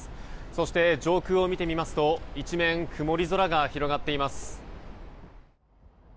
そして、上空を見ると一面、曇り空が広がっています。